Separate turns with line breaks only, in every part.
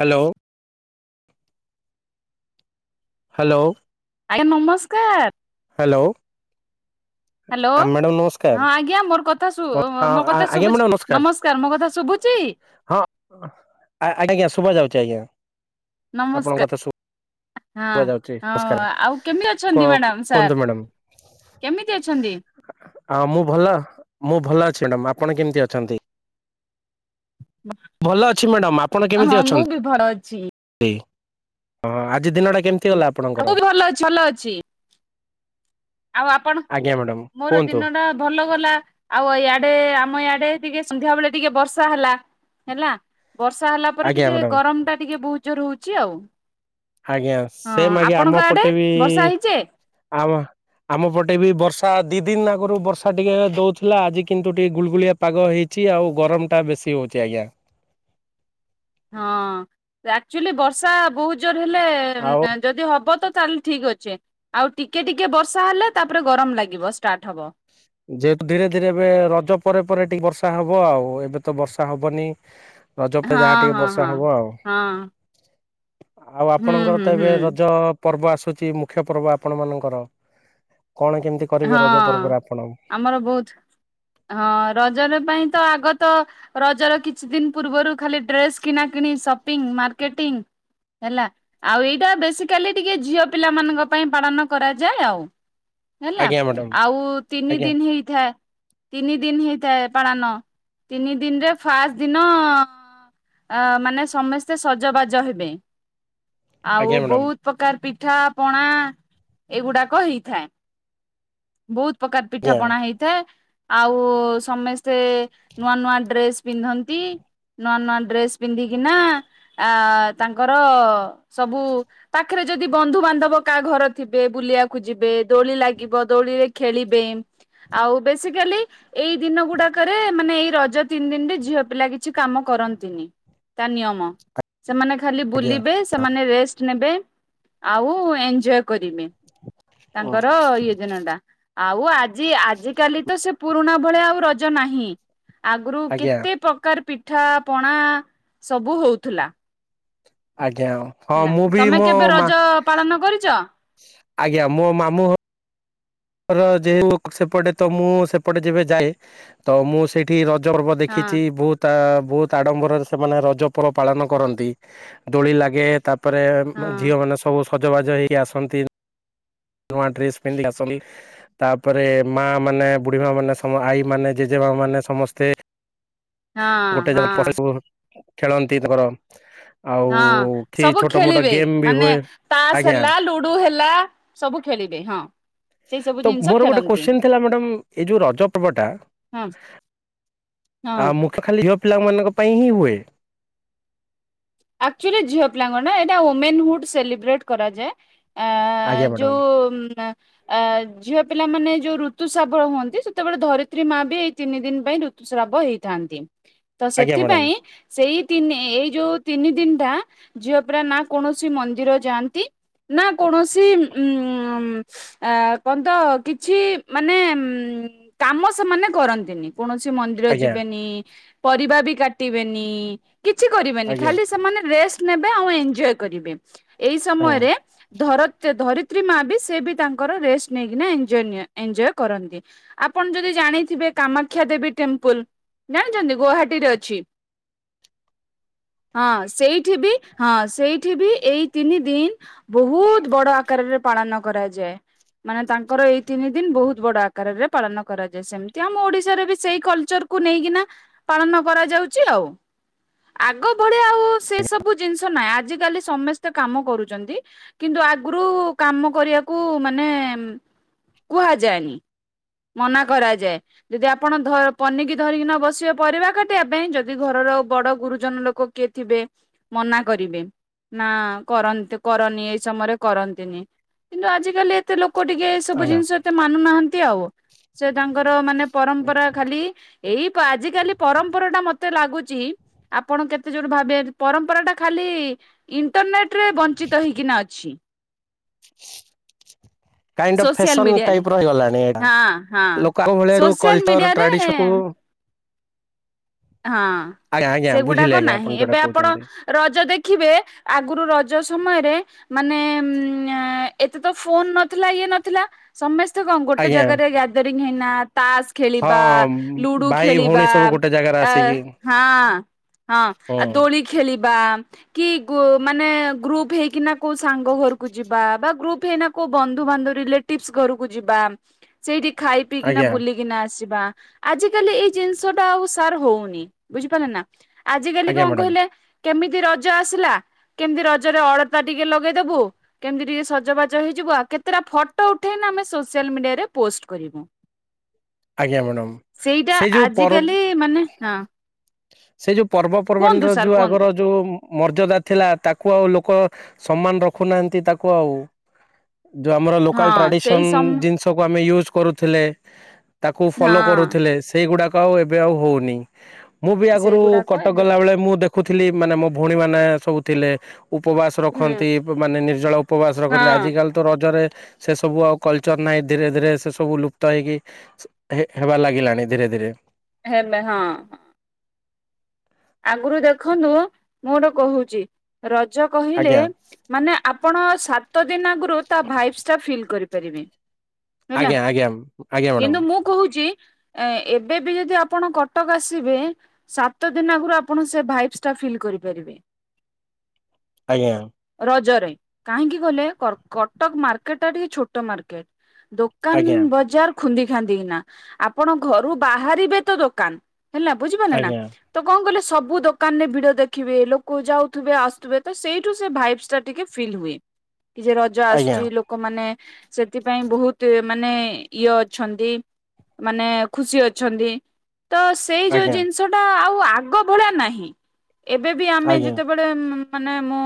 Hello. Hello.
ଆଜ୍ଞା ନମସ୍କାର।
Hello.
Hello
ନମସ୍କାର।
ହଁ ଆଜ୍ଞା ମୋର କଥା ଶୁ
ହଁ
ମୋ କଥା
ଆଜ୍ଞା
ଶୁଭୁ
ମ୍ୟାଡ଼ାମ
ନମସ୍କାର ମୋ କଥା ଶୁଭୁଚି?
ହଁ ଆଜ୍ଞା ଶୁବା ଯାଉଚି ଆଜ୍ଞା! ଆପଣଙ୍କ
ନମସ୍କାର
କଥା
ହଁ।
ଶୁଭାଯାଉଚି
ହଁ
ନମସ୍କାରେ
ଆଉ କେମିତି ଅଛନ୍ତି ମ୍ୟାଡାମ ସାର୍
କୁହନ୍ତୁ ମ୍ୟାଡ଼ମ୍।
କେମିତି ଅଛନ୍ତି?
ଆ ମୁଁ ଭଲ ମୁଁ ଭଲ ଅଛି ମ୍ୟାଡ଼ାମ ଆପଣ କେମିତି ଅଛନ୍ତି? ଭଲ ଅଛି ମ୍ୟାଡ଼ମ୍ ଆପଣ
ହଁ
କେମିତି
ମୁଁ
ଅଛନ୍ତ?
ବି ଭଲ ଅଛି
ହେଇ ହଁ ଆଜି ଦିନଟା କେମିତି ଗଲା?
ଆଉ
ଆପଣଙ୍କର?
ବହୁତ ଭଲ ଅଛି ଭଲ ଅଛି। ଆଉ ଆପଣ
ଆଜ୍ଞା ମ୍ୟାଡ଼ାମ
ମୋର
କୁହନ୍ତୁ
ଦିନ ଟା ଭଲ ଗଲା। ଆଉ ଇଆଡେ ଆମ ଇଆଡେ ଟିକେ ସନ୍ଧ୍ୟା ବେଳେ ଟିକେ ବର୍ଷା ହେଲା ହେଲା। ବର୍ଷା ହେଲା ପରେ
ଆଜ୍ଞା
ଟିକେ
ମ୍ୟାଡ଼ାମ
ଗରମ ଟା ଟିକେ ବହୁତ ଜୋର ହଉଛି ଆଉ।
ଆଜ୍ଞା
ହଁ
ସେମ ଆଜ୍ଞା
ଆପଣଙ୍କ
ଆମ
ଆଡେ
ପଟେ ବି
ବର୍ଷା ହେଇଚେ?
ଆମ ଆମ ପଟେ ବି ବର୍ଷା ଦି ଦିନି ଆଗରୁ ବର୍ଷା ଟିକେ ଦଉଥିଲା ଆଜି କିନ୍ତୁ ଟିକେ ଗୁଳଗୁଳିଆ ପାଗ ହେଇଛି ଆଉ ଗରମଟା ବେଶୀ ହଉଛି ଆଜ୍ଞା।
ହଁ ଆକ୍ଚୁଆଲି ବର୍ଷା ବହୁତ ଜୋରରେ
ଆଉ
ହେଲେ ଯଦି ହବ ତ ତାହେଲେ ଠିକ ଅଛି ଆଉ ଟିକେ ଟିକେ ବର୍ଷା ହେଲେ ତାପରେ ଗରମ ଲାଗିବ ଷ୍ଟାର୍ଟ ହବ।
ଯେହେତୁ ଧୀରେ ଧୀରେ ଏବେ ରଜ ପରେ ପରେ ଟିକେ ବର୍ଷା ହବ ଆଉ ଏବେ ତ ବର୍ଷା ହବନି। ରଜ ପରେ
ହଁ
ଯାହା ଟିକେ
ହଁ
ବର୍ଷା
ହଁ
ହବ ଆଉ।
ହଁ।
ଆଉ
ହୁଁ
ଆପଣଙ୍କର
ହୁଁ
ତ
ହୁଁ
ଏବେ ରଜ ପର୍ବ ଆସୁଚି। ମୁଖ୍ୟ ପର୍ବ ଆପଣମାନଙ୍କର କଣ କେମିତି କରିବେ ରଜ
ହଁ
ପର୍ବରେ ଆପଣ?
ଆମର ବୋହୁତ ହଁ ରଜର ପାଇଁ ତ ଆଗ ତ ରଜର କିଛି ଦିନ ପୂର୍ବରୁ ଖାଲି ଡ୍ରେସ୍ କିଣାକିଣି ସପିଂ ମାର୍କେଟିଂ ହେଲା ଆଉ ଏଇଟା ବେସିକାଲି ଟିକେ ଝିଅ ପିଲା ମାନଙ୍କ ପାଇଁ ପାଳନ କରାଯାଏ ଆଉ। ହେଲା
ଆଜ୍ଞା ମ୍ୟାଡ଼ାମ
ଆଉ ତିନି
ଆଜ୍ଞା
ଦିନି ହେଇଥାଏ। ତିନି ଦିନି ହେଇଥାଏ ପାଳନ। ତିନି ଦିନିରେ ଫାଷ୍ଟ ଦିନ ଅ ମାନେ ସମସ୍ତେ ସଜବାଜ ହେବେ। ଆଉ
ଆଜ୍ଞା ମ୍ୟାଡ଼ାମ
ବୋହୁତ ପ୍ରକାର ପିଠା ପଣା ଏଇଗୁଡାକ ହେଇଥାଏ। ବୋହୁତ ପ୍ରକାର ପିଠା
ଆଜ୍ଞା
ପଣା ହେଇ ଥାଏ। ଆଉ ସମସ୍ତେ ନୂଆ ନୂଆ ଡ୍ରେସ ପିନ୍ଧନ୍ତି। ନୂଆ ନୂଆ ଡ୍ରେସ ପିନ୍ଧିକିନା ଆ ତାଙ୍କର ସବୁ ପାଖରେ ଯଦି ବନ୍ଧୁ ବାନ୍ଧବ କାହା ଘର ଥିବେ ବୁଲିବାକୁ ଯିବେ ଦୋଳି ଲା ଥିବ ଦୋଳିରେ ଖେଳିବେ ଆଉ ବେସିକାଲି ଏଇ ଦିନ ଗୁଡାକରେ ମାନେ ଏଇ ରଜ ତିନି ଦିନରେ ଝିଅ ପିଲା କିଛି କାମ କରନ୍ତିନି ତା ନିୟମ। ସେମାନେ ଖାଲି
ଆଜ୍ଞା
ବୁଲିବେ ସେମାନେ ରେଷ୍ଟ ନେବେ ଆଉ ଏଞ୍ଜୟ କରିବେ। ତାଙ୍କର ଇଏ ଦିନ ଟା ଆଉ ଆଜି-ଆଜିକାଲି ତ ସେ ପୁରୁଣା ଭଳିଆ ଆଉ ରଜ ନାହିଁ ଆଗରୁ
ଆଜ୍ଞା
କେତେ ପ୍ରକାର ପି ଠା ପଣା ସବୁ ହୋଉଥୁଲା।
ଆଜ୍ଞା ହଁ ମୁଁ ବି
ତମେ
ମୋ
କେବେ ରଜ
ମା
ପାଳନ କରଚ?
ଆଜ୍ଞା ମୁଁ ମାମୁଁ ଘ ର ଯେହେତୁ ସେପଟେ ତ ମୁଁ ସେପଟେ ଯେବେ ଯାଏ। ତ ମୁଁ ସେଇଠି ରଜ ପର୍ବ
ହଁ
ଦେଖିଚି ବୋହୁତ ତା ବୋହୁତ ଆଡମ୍ବରରେ ସେମାନେ ରଜ ପର୍ବ ପାଳନ କରନ୍ତି। ଦୋଳି ଲାଗେ ତା ତାପରେ
ହଁ
ଝିଅ ମାନେ ସବୁ ସଜବାଜ ହେଇକି ଆସନ୍ତି। ନୂଆ ଡ୍ରେସ ପିନ୍ଧିକି ଆସନ୍ତି। ତାପରେ ମା ମାନେ ବୁଢୀ ମା ମାନେ ସମ ଆଈ ମାନେ ଜେଜେମା ମାନେ ସମସ୍ତେ
ହଁ
ଗୋଟେ
ହଁ
ଜଣକ ପରେ ସବୁ ଖେଳନ୍ତି ତାଙ୍କର। ଆଉ
ହଁ
କି
ସବୁ
ଛୋଟ ମୋଟ
ଖେଳିବେ
ଗେମ୍ ବି
ମାନେ
ହୁଏ।
ତାସ୍
ଆଜ୍ଞା
ହେଲା ଲୁଡୁ ହେଲା। ସବୁ ଖେଲିବେ ହଁ। ସେଇ ସବୁ
ତ
ଜିନିଷ
ମୋର ଗୋଟେ
ଖେଳନ୍ତି
କୋଶ୍ଚିନ ଥିଲା ମ୍ୟାଡାମ୍ ଏଇ ଯୋଉ ରଜ ପର୍ବଟା
ହଁ ହଁ।
ଆଉ ମୁଖ୍ୟ ଖାଲି ଝିଅ ପିଲାମାନଙ୍କ ପାଇଁ ହିଁ ହୁଏ।
ଆକଚୁଏଲି ଝିଅ ପିଲାଙ୍କରନା ଏଇଟା ଓମେନହୁଡ୍ ସେଲିବ୍ରେଟ କରାଯାଏ। ଆ
ଆଜ୍ଞା ମ୍ୟାଡ଼ାମ।
ଯୋଉ ଆଁ ଆ ଝିଅ ପିଲାମାନେ ଯୋଉ ଋତୁସ୍ରାବ ହୁଅନ୍ତି। ସେତେବେଳେ ଧରିତ୍ରୀ ମା ବି ଏଇ ତିନି ଦିନ ପାଇଁ ଋ ସ୍ରାବ ହେଇଥାନ୍ତି ତ
ଆଜ୍ଞା ମ୍ୟାଡ଼ାମ
ସେଥିପାଇଁ ସେଇ ତିନି ଏଇ ଯୋଉ ତିନି ଦିନଟା ଝିଅ ପରା ନା କୌଣସି ମନ୍ଦିର ଯାଆନ୍ତି। ନା କୌଣସି ଉଁ ଆ କଣନ୍ତ କିଛି ମାନେ ଉଁ କାମ ସେମାନେ କରନ୍ତିନି। କୌଣସି ମନ୍ଦିର
ଆଜ୍ଞା
ଯିବେନି। ପରିବା ବି କାଟିବେନି। କିଛି କ
ଆଜ୍ଞା
ଖାଲି ସେମାନେ ରେଷ୍ଟ ନେବେ ଆଉ ଏଞ୍ଜୟ କରିବେ। ଏଇ
ଆଜ୍ଞା
ସମୟରେ ଧର ଧରିତ୍ରୀ ମା ବି ସେ ବି ତାଙ୍କର ରେଷ୍ଟ ନେଇକିନା ଏନଜୟ ଏଞ୍ଜୟ୍ କରନ୍ତି। ଆପଣ ଯଦି ଜାଣିଥିବେ କାମାକ୍ଷା ଦେବୀ ଟେମ୍ପଲ ଜାଣିଚନ୍ତି ଗୋହାଟୀରେ ଅଛି। ହଁ ସେଇଠି ବି ହଁ ସେଇଠି ବି ଏଇ ତିନି ଦିଇନ ବୋହୁତ ବଡ ଆକାରରେ ପାଳନ କରାଯାଏ। ମାନେ ତାଙ୍କର ଏଇ ତିନି ଦିଇନ ବୋ ହୁତ ବଡ ଆକାରରେ ପାଳନ କରାଯାଏ ସେମିତି ଆମ ଓଡିଶାରେ ବି ସେଇ କଲଚର ତାକୁ ନେଇକିନା ପାଳନ କରାଯାଉଚି ଆଉ। ଆଗ ଭଳିଆ ଆଉ ସେ ସବୁ ଜିନିଷ ନାହିଁ ଆଜିକାଲି ସମସ୍ତେ କାମ କରୁଚନ୍ତି କିନ୍ତୁ ଆଗରୁ କାମ କରିବାକୁ ମାନେ କୁହାଯାଏନି ମନା କରାଯାଏ। ଯଦି ଆପଣ ପନିକି ଧରିକି ନ ବସିବେ ପରିବା କାଟିବା ପାଇଁ ଯଦି ଘରର ବଡ ଗୁରୁଜନ ଲୋକ ଲୋକ କିଏ ଥିବେ ମନା କରିବେ ନା କରନ୍ତୁ କରନି ଏଇ ସମୟରେ କରନ୍ତିନି କିନ୍ତୁ ଆଜି କାଲି ଏତେ ଲୋକ ଟିକେ ଏ ସବୁ
ଆଜ୍ଞା
ଜିନିଷ ଏତେ ମାନୁନାହାନ୍ତି ଆଉ ସେ ତାଙ୍କର ମାନେ ପରମ୍ପରା ଖାଲି ଏଇ ଆଜିକାଲି ପରମ୍ପରା ଟା ମତେ ଲାଗୁଚି ଆପଣ କେତେ ତୋଯୋଉ ଭାବେ ପରମ୍ପରା ଟା ଖାଲି ଇଣ୍ଟରନେଟ ରେ ବଂଞ୍ଚିତ ହେଇକିନା ଅଛି।
[inaudible] କାଇଣ୍ଡ
[inaudible]
ଅଫ୍
ସୋସିଆଲ
ଫ୍ୟାସନ
ମିଡିଆରେ
ଟାଇପ ର ହେଇଗଲାଣି ଏଇଟା
ହଁ ହଁ
ଲୋକ ଆମ ଭଳିଆ ଯୋଉ
ସୋସିଆଲ
କଲଚର
ମିଡିଆରେ
ଟ୍ରାଡିସନ କୁ
ହଁ
ଆଜ୍ଞା ଆଜ୍ଞା ବୁଝିଲେ
ସେଗୁଡାକ
ଆଜ୍ଞା ଆପଣ
ନାହିଁ
ଯୋଉଟା
ଏବେ ଆପଣ
କହୁଛନ୍ତି
ରଜ ଦେଖିବେ ଆଗରୁ ରଜ ସମୟରେ ମାନେ ଉ ଏତେ ତ ଫୋନ୍ ନଥିଲା ଇଏ ନଥିଲା ସମସ୍ତେ କଣ ଗୋଟେ
ଆଜ୍ଞା
ଜାଗାରେ ଗ୍ୟାଦରିଂ ହେଇନା ତାସ ଖେଳିବା
ହଁ
ଲୁଡୁ
ଭାଇ ଭଉଣୀ
ଖେଳିବା
ସବୁ ଗୋଟେ ଜାଗାରେ
ଆ ହଁ
ଆସିକି
ହଁ ଆଉ
ହୁଁ
ଦୋଳି ଦୋଳି ଖେଳିବା କି ମାନେ ଗ୍ରୁପ ହେଇକିନା କୋଉ ସାଙ୍ଗ ଘରକୁ ଯିବା ବା ଗ୍ରୁପ୍ ହେଇନା କୋଉ ବନ୍ଧୁବାନ୍ଧ ରିଲେଟିଭସ ଘରକୁ ଯିବା। ସେଇଠି ଖାଇ ପିଇକିନା
ଆଜ୍ଞା
ବୁଲିକିନା ଆସିବା ଆଜିକାଲି ଏଇ ଜିନିଷ ଟା ଆଉ ସାର ହୋଉନି ବୁଝିପାରିଲ ନା ଆଜି କାଲି
ଆଜ୍ଞା
କଣ
ମ୍ୟାଡ଼ାମ
କହିଲେ କେମିତି ରଜ ଆସିଲା କେମିତି ରଜରେ ଅଳତା ଟିକେ ଲଗେଇଦବୁ? କେମିତି ଟିକେ ସଜବାଜ ହେଇଯିବୁ ଆଉ କେତେଟା ଫଟୋ ଉଠେଇଲେ ଆମେ ସୋସିଆଲ ମିଡିଆରେ ପୋଷ୍ଟ କରିବୁ।
ଆଜ୍ଞା ମ୍ୟାଡ଼ାମ
ସେଇଟା
ସେ ଯୋଉ
ଆଜିକାଲି ମାନେ ହଁ।
ସେଇ ଯୋଉ ପର୍ବ
କୁହନ୍ତୁ
ପର୍ବାଣିର
ସାର୍
ଯୋଉ
କୁହନ୍ତୁ
ଆଗର ଯୋଉ ମର୍ଯ୍ୟାଦା ଥିଲା ତାକୁ ଆଉ ଲୋକ ସମ୍ମାନ ରଖୁନାହାନ୍ତି ତାକୁ ଆଉ। ଯୋଉ ଆମର ଲୋକାଲ
ହଁ ସେଇ
ଟ୍ରାଡିସନ୍
ସମ
ଜିନିଷକୁ ଆମେ ୟୁଜ୍ କରୁଥିଲେ। ତାକୁ ଫଲୋ
ହଁ
କରୁଥିଲେ ସେଇଗୁଡାକ ଆଉ ଏବେ ଆଉ ହୋଉନି। ମୁଁ ବି ଆଗରୁ
ସେଗୁଡାକ
କଟକ
ଏବେ
ଗଲା ବେଳେ ମୁଁ ଦେଖୁଥିଲି ମାନେ ମୋ ଭଉଣୀ ମାନେ ସବୁ ଥିଲେ। ଉପବାସ
ହୁଁ
ରଖନ୍ତି ମାନେ ନିର୍ଜଳା ଉପବାସ
ହଁ
ରଖନ୍ତି ଆଜିକାଲି ତ ରଜରେ ସେ ସବୁ ଆଉ କଲଚର ନାହିଁ ଧୀରେ ଧୀରେ ସେ ସବୁ ଲୁପ୍ତ ହେଇକି ହେବା ଲାଗିଲାଣି ଧୀରେ ଧୀରେ
ହେଲେ ହଁ। ଆଗରୁ ଦେଖନ୍ତୁ ମୁଁ ଗୋଟେ କହୁଚି ରଜ କହିଲେ
ଆଜ୍ଞା
ମାନେ ଆପଣ ସାତ ଦିନ ଆଗରୁ ତା ଭାଇଭ୍ ଟା ଫିଲ କରିପାରିବେ। ହେଲା
ଆଜ୍ଞା ଆଜ୍ଞା ଆଜ୍ଞା ମ୍ୟାଡ଼ାମ
କିନ୍ତୁ ମୁଁ କହୁଚି ଏବେ ବି ଯଦି ଆପଣ କଟକ ଆସିବେ ସାତ ଦିଇନ ଆଗରୁ ଆପଣ ସେ ଭାଇପ୍ସିଟା ଫିଲ୍ କରିପାରିବେ।
ଆଜ୍ଞା।
ରଜରେ କାହିଁକି ଗଲେ କଟକ ମାର୍କେଟ ଟା ଟିକେ ଛୋଟ ମାର୍କେଟ ଦୋକ
ଆଜ୍ଞା
ଦୋକାନ ବଜାର ଖୁନ୍ଦି ଖାନ୍ଦିି କି ନା ଆପଣ ଘରୁ ବାହାରିବେ ତ ଦୋକାନ। ହେଲା ବୁଝିପାରିଲେ ନା?
ଆଜ୍ଞା
ତ କଣ କହିଲେ ସବୁ ଦୋକାନରେ ଭିଡ ଦେଖିବେ ଲୋକ ଯାଉଥିବେ ଆସୁଥିବେ ତ ସେଇଠୁ ସେ ଭାଇଭ ଷ୍ଟାର୍ ଟିକେ ଫିଲ୍ ହୁଏ କି ରଜ
ଆଜ୍ଞା
ଆସୁଛି ଲୋ ଲୋକ ମାନେ ସେଥିପାଇଁ ବହୁତ ମାନେ ଇଏ ଅଛନ୍ତି। ମାନେ ଖୁସି ଅଛନ୍ତି। ତ ସେଇ ଯୋଉ
ଆଜ୍ଞା
ଜିନିଷଟା ଆଉ ଆଗ ଭଳିଆ ନାହିଁ ଏବେ ବି ଆମେ
ଆଜ୍ଞା
ଯେତେବେଳେ ମାନେ ମୋ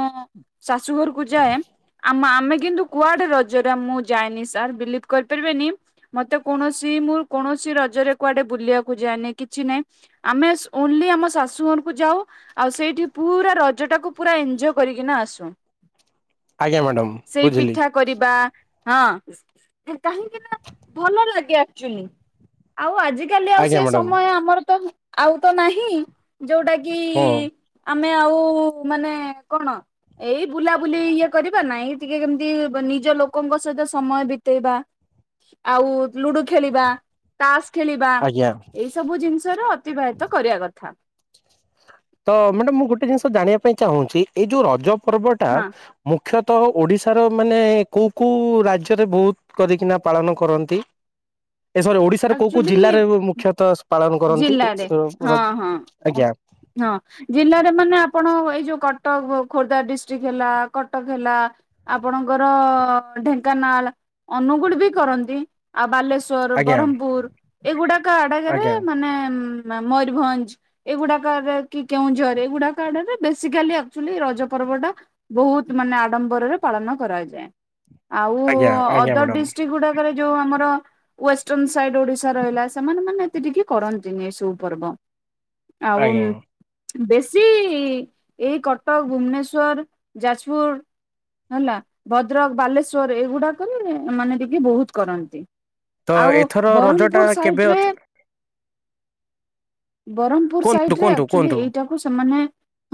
ଶାଶୁ ଘରକୁ ଯାଏ ଆମ ଆମେ କିନ୍ତୁ କୁଆଡେ ରଜରେ ମୁଁ ଯାଏନି ସାର୍ ବିଲିଭ କରିପାରିବେନି ମତେ କୌଣସି ମୁଁ କୌଣସି ରଜରେ କୁଆଡେ ବୁଲିବାକୁ ଯାଏନି କିଛି ନାହିଁ ଆମେ ଓନ୍ଲି ଆମ ଶାଶୁ ଘରକୁ ଯାଉ ଆଉ ସେଇଠି ପୁରା ରଜ ଟାକୁ ପୁରା ଏଞ୍ଜୟ୍ କରିକିନା ଆସୁ।
ଆଜ୍ଞା ମ୍ୟାଡ଼ାମ
ସେଇ
ବୁଝିଲି
ପିଠା କରିବା ହଁ କାହିଁକି ନା ଭଲ ଲାଗେ ଆକଚୁଲି ଆଉ ଆଜିକାଲି ଆଉ
ଆଜ୍ଞା
ସେ
ମ୍ୟାଡ଼ାମ
ସମୟ ଆମର ତ ଆଉ ତ ନାହିଁ ଯୋଉଟା କି
ହଁ
ଆମେ ଆଉ ମାନେ କଣ? ଏଇ ବୁଲାବୁଲି ଇଏ କରିବା ନାଇଁ ଟିକେ କେମିତି ନିଜ ଲୋକଙ୍କ ସହିତ ସମୟ ବିତେଇବା। ଆଉ ଲୁଡୁ ଖେଳିବା ତାସ୍ ଖେଳିବା
ଆଜ୍ଞା
ଏଇସବୁ ଜିନିଷର ଅତିବାହିତ କରିବା କଥା।
ତ ମ୍ୟାଡାମ ମୁଁ ଗୋଟେ ଜିନିଷ ଜାଣିବା ପାଇଁ ଚାହୁଁଛି ଏଇ ଯୋଉ ରଜ ପର୍ବଟା
ହଁ
ମୁଖ୍ୟତଃ ଓଡ଼ିଶାର ମାନେ କୋଉ କୋଉ ରାଜ୍ୟରେ ବହୁତ କରିକି ନା ପାଳନ କରନ୍ତି, ଏ ସମୟରେ ଓଡ଼ିଶା ସାର୍ କୋଉ କୋଉ
ଆକ୍ଚୁଆଲି
ଜିଲ୍ଲାରେ ମୁଖ୍ୟତଃ ପାଳନ କରନ୍ତି?
ଜିଲ୍ଲାରେ ହଁ ହଁ
ଆଜ୍ଞା!
ହଁ, ଜିଲ୍ଲାରେ ମାନେ ଆପଣ ଏଇ ଯୋଉ କଟକ, ଖୋର୍ଦ୍ଧା ଡିଷ୍ଟ୍ରିକ ହେଲା କଟକ ହେଲା ଆପଣଙ୍କର ଢେଙ୍କାନାଳ, ଅନୁଗୁଳ ବି କରନ୍ତି ଆଉ ବାଲେଶ୍ୱର
ଆଜ୍ଞା
ବରମପୁର ଏଗୁଡାକ ଆଡ଼କରେ
ଆଜ୍ଞା
ମାନେ ମୟୁରଭଞ୍ଜ ଏଗୁଡା କରେ କି କେଉଁଝର ଏଇଗୁଡାକ ଆଡରେ ବେସିକାଲି ଆକଚୁଆଲି ରଜ ପର୍ବଟା ବହୁତ ମାନେ ଆଡମ୍ବରରେ ପାଳନ କରାଯାଏ। ଆଉ
ଆଜ୍ଞା ଆଜ୍ଞା
ଅଦର
ମ୍ୟାଡ଼ାମ
ଡିଷ୍ଟ୍ରିକ୍ଟ ଗୁଡା କରେ ଯୋଉ ଆମର ଇଷ୍ଟନ ସାଇଡ ଓଡିଶା ରହିଲା ସେମାନେ ମାନେ ଏତେ ଟିକେ କରନ୍ତିନି ଏସବୁ ପର୍ବ। ଆଉ
ଆଜ୍ଞା
ବେଶୀ ଏଇ କଟକ, ଭୁବନେଶ୍ଵର, ଯାଜପୁର ହେଲା ଭଦ୍ରକ, ବାଲେଶ୍ଵର ଏଗୁଡାକରେ ମାନେ ଟିକେ ବହୁତ କରନ୍ତି।
ତ
ଆଉ
ଏଥର ରଜ ଟା
ବ୍ରହ୍ମପୁର ସାଇଡ
କେବେ
ରେ
ଅଛି?
ବରମପୁର
କୁହନ୍ତୁ
ସାଇଟରେ
କୁହନ୍ତୁ
ଆକୁଚୁଲି
କୁହନ୍ତୁ
ଏଇଟାକୁ ସେମାନେ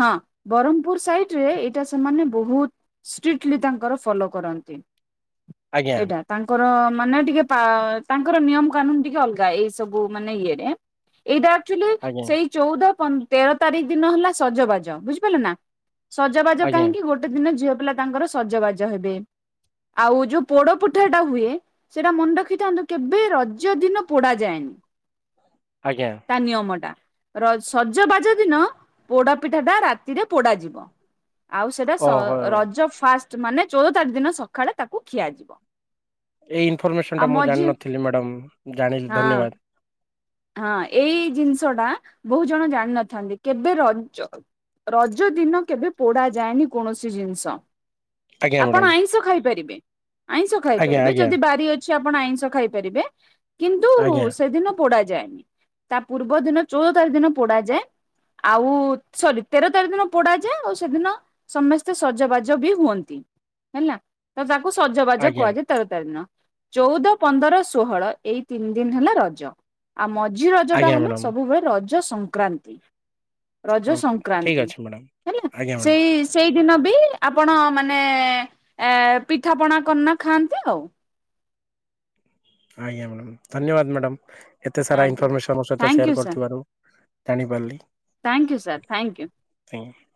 ହଁ, ବରମପୁର ସାଇଡ ରେ ଏଇଟା ସେମାନେ ବହୁତ ଷ୍ଟ୍ରିକଟିଲି ତାଙ୍କର ଫଲୋ କରନ୍ତି
ଆଜ୍ଞା
ଏଇଟା। ତାଙ୍କର ମାନେ ଟିକେ ପା ତାଙ୍କର ନିୟମ କାନୁନ ଟିକେ ଅଲଗା ଏଇ ସବୁ ମାନେ ଇଏରେ। ଏଇଟା ଆକଚୁଲି
ଆଜ୍ଞା
ସେଇ ଚଉଦ, ପନ୍ଦ ତେର ତାରିଖ ଦିନ ହେଲା ସଜବାଜ ବୁଝିପାରିଲ ନା? ସଜବାଜ
ଆଜ୍ଞା
କାହିଁକି ଗୋଟେ ଦିନ ଝିଅ ପିଲା ତାଙ୍କର ସଜବାଜ ହେବେ। ଆଉ ଯୋଉ ପୋଡ ପିଠାଟା ହୁଏ ସେଇଟା ମନେ ରଖିଥାନ୍ତୁ କେବେ ରଜ ଦିନ ପୋଡା ଯାଏନି।
ଆଜ୍ଞା!
ତା ନିୟମ ଟା। ର ସଜବାଜ ଦିନ ପୋଡପିଠା ଟା ରାତିରେ ପୋଡା ଯିବ। ଆଉ ସେଟା ସ
ଓହୋ
ରଜ ଫାଷ୍ଟ ମାନେ ଚଉଦ ତା ଦିନ ସକାଳେ ତାକୁ ଖିଆଯିବ।
ଏଇ ଇନଫର୍ମେସନ ଟା
ଆଉ
ମୁଁ
ମଝି
ଜାଣିନଥିଲି ମ୍ୟାଡ଼ାମ୍ ଜାଣି
ହଁ
ଧନ୍ୟବାଦ!
ହଁ ଏଇ ଜିନିଷ ଟା ବହୁ ଜଣ ଜାଣିିନଥାନ୍ତି କେବେ ରଜ ରଜ ଦିନ କେବେ ପୋଡା ଯାଏନି କୌଣସି ଜିନିଷ।
ଆଜ୍ଞା
ଆପଣ
ମ୍ୟାଡ଼ାମ
ଆଇଁଷ ଖାଇପାରିବେ ଆଇଁଷ
ଆଜ୍ଞା
ଖାଇପାରିବେ
ଆଜ୍ଞା
ଯଦି ବାରି ଅ ଚ୍ଛି ଆପଣ ଆଇଁଷ ଖାଇପାରିବେ କିନ୍ତୁ
ଆଜ୍ଞା
ସେଦିନ ପୋଡା ଯାଏନି ତା ପୂର୍ବ ଦିନ ଚଉଦ ତାରିଖ ଦିନ ପୋଡା ଯାଏ ଆଉ ସରି ତେର ତାରିଖ ଦିନ ପୋଡା ଯାଏ ଆଉ ସେଦିନ ସମସ୍ତେ ସଜବାଜ ବି ହୁଅନ୍ତି ହେଲା ତ ତାକୁ ସଜବାଜ
ଆଜ୍ଞା
କୁହାଯାଇ ତେର ତାରି ଦିନ ଚୋଉଦ ପନ୍ଦର ଷୋହଳ ଏଇ ତିନି ଦିନ ହେଲା ରଜ ଆଉ ମ ଝି ରଜଟା
ଆଜ୍ଞା
ହେଲା
ମ୍ୟାଡ଼ାମ
ସବୁବେଳେ ରଜ ସଂକ୍ରାନ୍ତି। ରଜ
ଓକେ ଠିକ୍
ସଂକ୍ରାନ୍ତି
ଅଛି ମ୍ୟାଡ଼ାମ।
ହେଲା
ଆଜ୍ଞା ମ୍ୟାଡ଼ାମ
ସେଇ ସେଇଦିନ ବି ଆପଣ ମାନେ ଏ ପିଠା ପଣା କନା ଖାଆନ୍ତି ଆଉ।
ଆଜ୍ଞା ମ୍ୟାଡ଼ାମ୍ ଧନ୍ୟବାଦ ମ୍ୟାଡ଼ାମ୍ ଏତେ ସାରା
ଆଜ୍ଞା
ଇନଫର୍ମେସନ୍ ମୋ ସହିତ ସେୟାର୍
ଥ୍ୟାଙ୍କୟୁ
କରିଥିବାରୁ। ଜାଣିପାରିଲି।
Thank you sir thank you.
[inaudible]